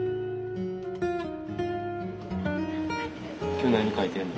今日何描いてんの？